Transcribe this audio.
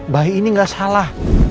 bayi ini gak salah